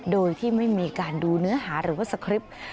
โดยที่ไม่มีการดูเนื้อหาหรือว่าสคริปต์